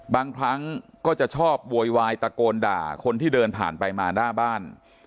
บางครั้งก็จะชอบโวยวายตะโกนด่าคนที่เดินผ่านไปมาหน้าบ้าน